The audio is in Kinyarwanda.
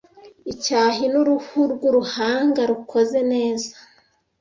Icyahi n Uruhu rw’uruhanga rukoze neza